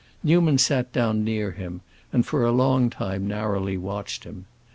Newman sat down near him, and for a long time narrowly watched him.